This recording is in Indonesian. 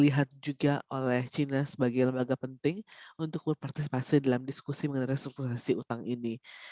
lihat juga oleh china sebagai lembaga penting untuk berpartisipasi dalam diskusi mengenai restrukturisasi utang ini